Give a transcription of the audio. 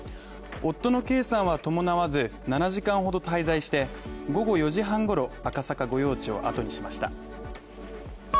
夫の圭さんは伴わず、７時間ほど滞在して午後４時半ごろ、赤坂御用地をあとにしました。